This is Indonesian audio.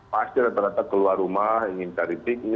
pas terletak letak keluar rumah ingin cari tik